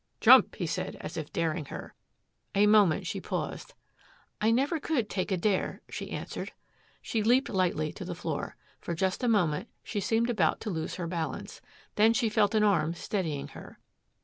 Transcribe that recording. "Jump!" he said, as if daring her. A moment she paused. "I never could take a dare," she answered. She leaped lightly to the floor. For just a moment she seemed about to lose her balance. Then she felt an arm steadying her.